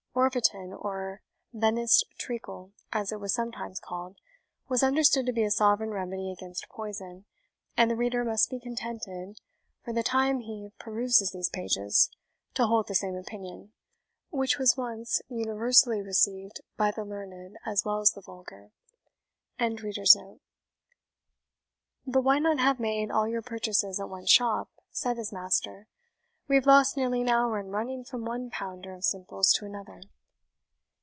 [Orvietan, or Venice treacle, as it was sometimes called, was understood to be a sovereign remedy against poison; and the reader must be contented, for the time he peruses these pages, to hold the same opinion, which was once universally received by the learned as well as the vulgar.] "But why not have made all your purchases at one shop?" said his master; "we have lost nearly an hour in running from one pounder of simples to another."